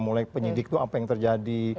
mulai penyidik itu apa yang terjadi